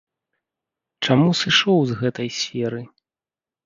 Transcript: Чаму сышоў з гэтай сферы?